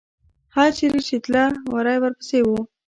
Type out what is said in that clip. هر چېرې چې تله، وری ورپسې و.